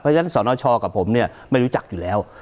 เพราะฉะนั้นสนชกับผมเนี่ยไม่รู้จักอยู่แล้ว